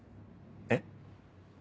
えっ？